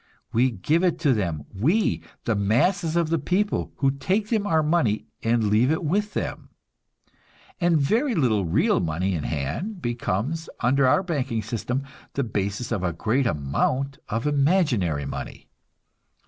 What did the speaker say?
We give it to them; we, the masses of the people, who take them our money and leave it with them. A very little real money in hand becomes, under our banking system, the basis of a great amount of imaginary money.